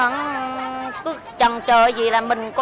là mình không có giải quyết được